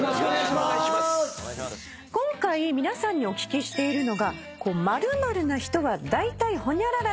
今回皆さんにお聞きしているのが。